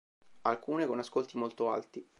Alcune con ascolti molto alti.